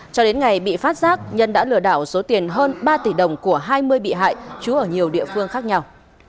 cho đến ngày bị phát giác nhân đã lừa đảo số tiền hơn ba tỷ đồng của hai mươi bị hại trú ở nhiều địa phương khác nhau